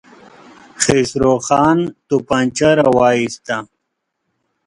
خسرو خان توپانچه را وايسته.